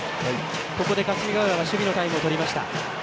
ここで霞ヶ浦が守備のタイムをとりました。